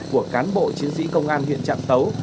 của cán bộ chiến sĩ công an huyện trạm tấu